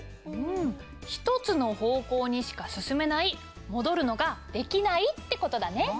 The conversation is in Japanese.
うん１つの方向にしか進めない戻るのができないってことだね。